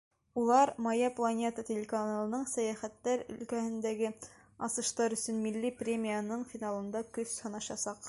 Улар «Моя планета» телеканалының сәйәхәттәр өлкәһендәге асыштар өсөн милли премияһының финалында көс һынашасаҡ.